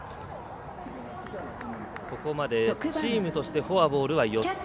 ここまでチームとしてフォアボールが４つ。